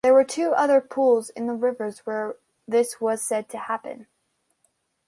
There were two other pools in the rivers where this was said to happen.